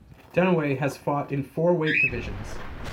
Dunaway has fought in four weight divisions.